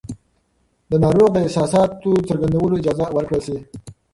د ناروغ د احساساتو څرګندولو اجازه ورکړل شي.